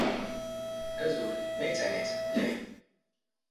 ⴰⵣⵓⵍ, ⵎⴰⵢ ⵜⵄⵏⵉⵜ? ⵎⵍⵉⵃ?